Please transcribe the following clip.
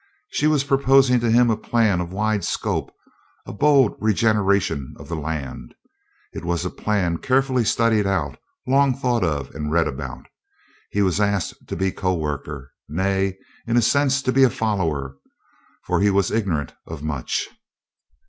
She was proposing to him a plan of wide scope a bold regeneration of the land. It was a plan carefully studied out, long thought of and read about. He was asked to be co worker nay, in a sense to be a follower, for he was ignorant of much.